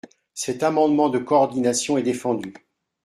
Cet amendement de coordination est défendu.